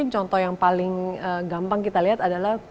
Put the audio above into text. contoh yang paling gampang kita lihat adalah